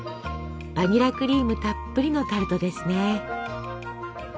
バニラクリームたっぷりのタルトですね。